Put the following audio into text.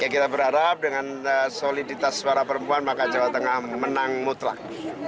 kita berharap dengan soliditas suara perempuan maka jawa tengah menang mutlak